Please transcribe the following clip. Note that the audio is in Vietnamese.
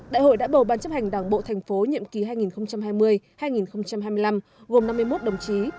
đại hội đã bầu ban chấp hành đảng bộ thành phố nhiệm kỳ hai nghìn hai mươi hai nghìn hai mươi năm gồm năm mươi một đồng chí